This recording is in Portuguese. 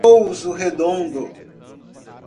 Pouso Redondo